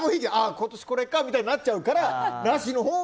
今年、これかみたいになっちゃうから。